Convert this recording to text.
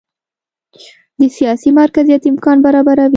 د سیاسي مرکزیت امکان برابروي.